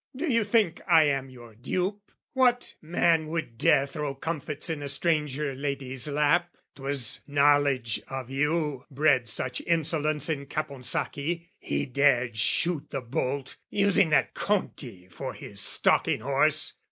"Do you think I am your dupe? What man would dare "Throw comfits in a stranger lady's lap? "'Twas knowledge of you bred such insolence "In Caponsacchi; he dared shoot the bolt, "Using that Conti for his stalking horse.